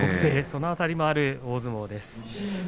その辺りもある大相撲です。